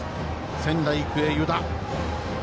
仙台育英、湯田。